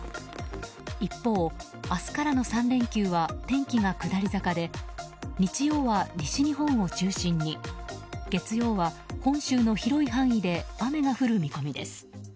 一方、明日からの３連休は天気が下り坂で日曜日は西日本を中心に月曜は、本州の広い範囲で雨が降る見込みです。